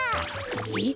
えっ？